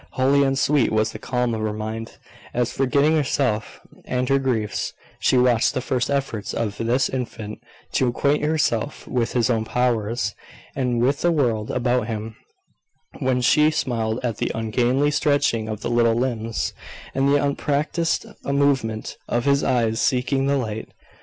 Holy and sweet was the calm of her mind, as, forgetting herself and her griefs, she watched the first efforts of this infant to acquaint himself with his own powers, and with the world about him; when she smiled at the ungainly stretching of the little limbs, and the unpractised movement of his eyes seeking the light.